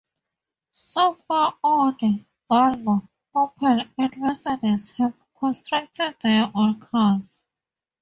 So far Audi, Volvo, Opel, and Mercedes have constructed their own cars.